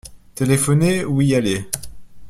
Téléphoner ou y aller.